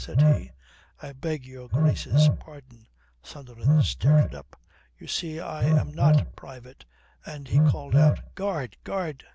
said he. "I beg your Grace's pardon," Sunderland started up. "You see, I am not private," and he called out: "Guard, guard."